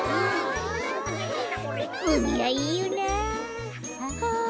うみはいいよなあ。